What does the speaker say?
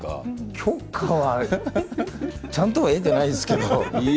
許可はちゃんと取ってはないですけど。